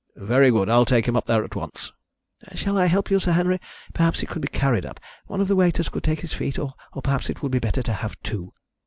"Very good. I'll take him up there at once." "Shall I help you, Sir Henry? Perhaps he could be carried up. One of the waiters could take his feet, or perhaps it would be better to have two."